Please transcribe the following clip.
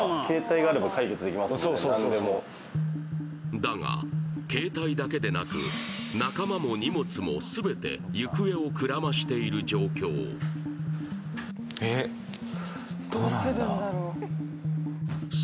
だが、携帯だけでなく仲間も荷物も全て行方をくらましている状況です。